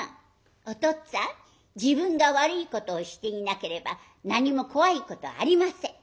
「おとっつぁん自分が悪いことをしていなければ何も怖いことありません。